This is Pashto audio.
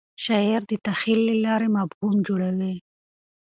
شاعر د تخیل له لارې مفهوم جوړوي.